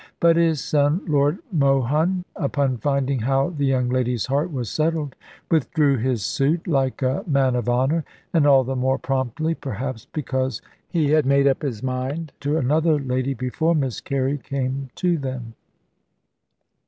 But his son, Lord Mohun, upon finding how the young lady's heart was settled, withdrew his suit (like a man of honour), and all the more promptly, perhaps, because he had made up his mind to another lady before Miss Carey came to them.